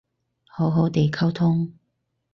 好好哋溝通